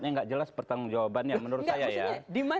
ini nggak jelas pertanggung jawabannya menurut saya ya